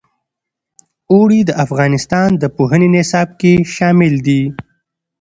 اوړي د افغانستان د پوهنې نصاب کې شامل دي.